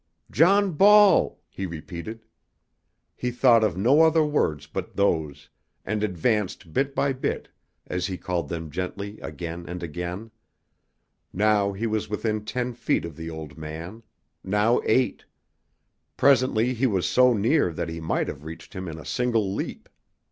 John Ball!" he repeated. He thought of no other words but those, and advanced bit by bit as he called them gently again and again. Now he was within ten feet of the old man, now eight, presently he was so near that he might have reached him in a single leap.